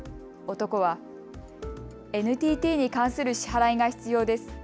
男はＮＴＴに関する支払いが必要です。